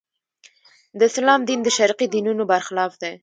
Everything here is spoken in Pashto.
د اسلام دین د شرقي دینونو برخلاف دی.